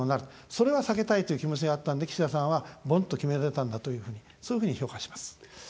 それは避けたいという気持ちがあったんで、岸田さんはボンッと決められたというふうにそういうふうに評価します。